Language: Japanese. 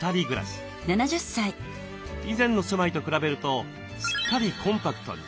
以前の住まいと比べるとすっかりコンパクトに。